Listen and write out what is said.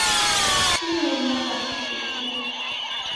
তিনি 'উন্মাদ' আখ্যা পেয়েছিলেন।